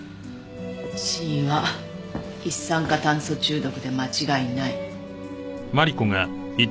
死因は一酸化炭素中毒で間違いない。